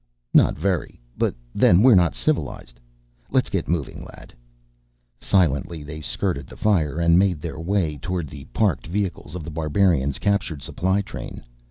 "Not very. But then, we're not civilized. Let's get moving, lad." Silently, they skirted the fire and made their way toward the parked vehicles of The Barbarian's captured supply train.